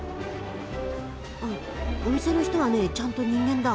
お店の人はねちゃんと人間だ。